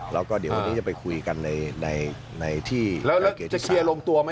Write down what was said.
เราก็ทีนี้ไปคุยกันในที่กายเกลี่ยทุกษา